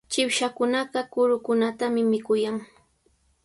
Chipshakunaqa kurukunatami mikuyan.